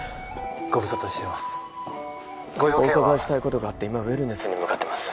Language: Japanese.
ご無沙汰していますご用件はお伺いしたいことがあって今ウェルネスに向かってます